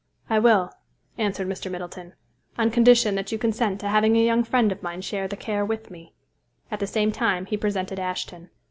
"I will," answered Mr. Middleton, "on condition that you consent to having a young friend of mine share the care with me." At the same time he presented Ashton.